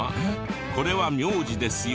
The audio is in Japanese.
これは名字ですよ。